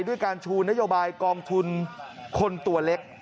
ด้วยการชูนโยบายกองทุนคนตัวเล็ก